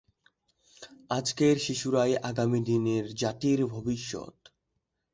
আজকের শিশুরাই আগামী দিনের জাতির ভবিষ্যৎ।